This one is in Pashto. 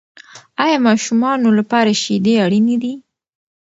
آیا ماشومانو لپاره شیدې اړینې دي؟